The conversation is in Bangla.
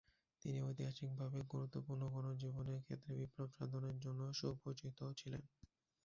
তিনি ঐতিহাসিকভাবে গুরুত্বপূর্ণ গণজীবনের ক্ষেত্রে বিপ্লব সাধনের জন্য সুপরিচিত ছিলেন।